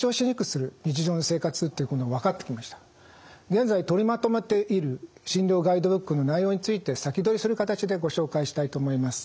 現在取りまとめている診療ガイドブックの内容について先取りする形でご紹介したいと思います。